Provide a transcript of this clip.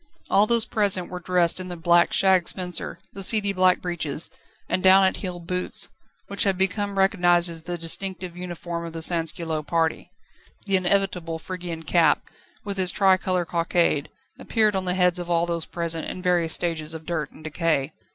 All those present were dressed in the black shag spencer, the seedy black breeches, and down at heel boots, which had become recognised as the distinctive uniform of the sansculotte party. The inevitable Phrygian cap, with its tricolour cockade, appeared on the heads of all those present, in various stages of dirt and decay.